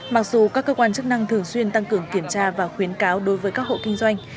mặc dù các cơ quan chức năng thường xuyên tăng cường kiểm tra và khuyến cáo đối với các hộ kinh doanh